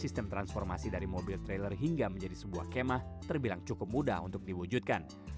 sistem transformasi dari mobil trailer hingga menjadi sebuah kemah terbilang cukup mudah untuk diwujudkan